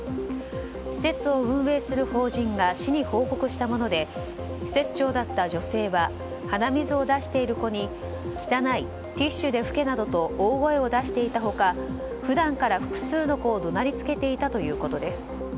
施設を運営する法人が市に報告したもので施設長だった女性は鼻水を出している子に汚い、ティッシュで拭けなどと大声を出していた他普段から複数の子を怒鳴りつけていたということです。